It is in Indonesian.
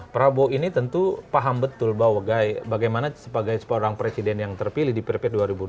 prabowo ini tentu paham betul bahwa bagaimana sebagai seorang presiden yang terpilih di pp dua ribu dua puluh